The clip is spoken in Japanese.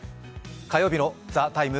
火曜日の「ＴＨＥＴＩＭＥ，」